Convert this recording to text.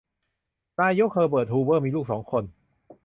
นายก เฮอเบิร์ต ฮูเวอร์ มีลูกสองคน